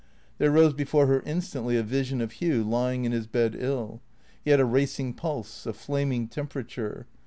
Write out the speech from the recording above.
There rose before her instantly a vision of Hugh lying in his bed ill. He had a racing pulse, a flaming temperature.